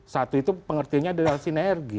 satu itu pengertiannya adalah sinergi